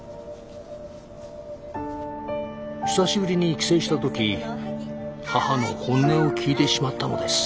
久しぶりに帰省した時母の本音を聞いてしまったのです。